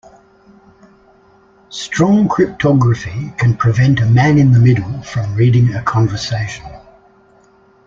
Strong cryptography can prevent a man in the middle from reading a conversation.